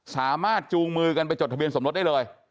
จูงมือกันไปจดทะเบียนสมรสได้เลย